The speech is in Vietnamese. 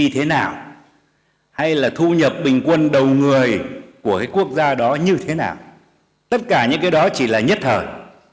tất cả những cái đó chỉ là nhất thời